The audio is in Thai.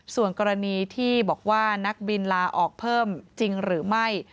ส่วนกรณีที่บอกว่านักบินลาออกเพิ่มจริงหรือไม่